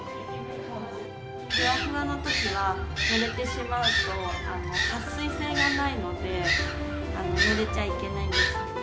ふわふわのときは、ぬれてしまうと、はっ水性がないので、ぬれちゃいけないんです。